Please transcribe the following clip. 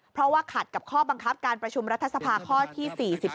เพราะว่าขัดกับข้อบังคับการประชุมรัฐสภาข้อที่๔๒